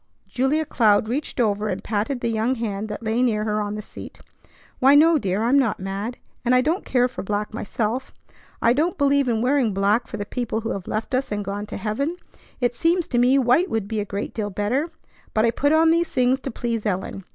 Julia Cloud reached over and patted the young hand that lay near her on the seat. "Why, no, dear! I'm not mad, and I don't care for black myself. I don't believe in wearing black for the people who have left us and gone to heaven. It seems to me white would be a great deal better. But I put on these things to please Ellen.